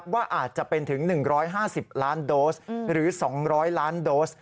ว่าอาจจะเป็นถึง๑๕๐ล้านโดสหรือ๒๐๐ล้านโดส